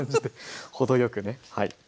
程よくね。